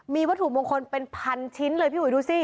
มีวัตถุมงคลเป็นพันชิ้นเลยพี่อุ๋ยดูสิ